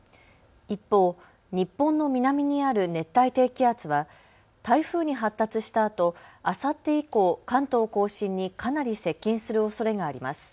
一方、日本の南にある熱帯低気圧は台風に発達したあとあさって以降、関東甲信にかなり接近するおそれがあります。